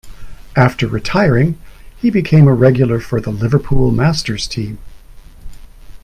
After retiring, he became a regular for the Liverpool Masters team.